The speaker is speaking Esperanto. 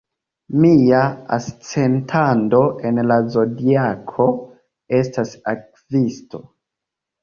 Mia ascendanto en la zodiako estas Akvisto.